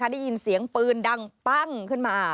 ได้ยินเสียงปืนดังปั้งขึ้นมา